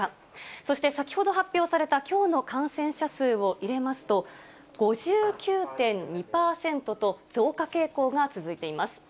そして、先ほど発表されたきょうの感染者数を入れますと、５９．２％と増加傾向が続いています。